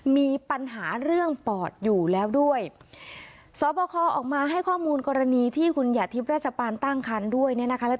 มีปัญหาเรื่องปอดอยู่แล้วด้วย